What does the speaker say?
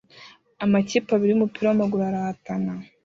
Amakipe abiri yumupira wamaguru arahatana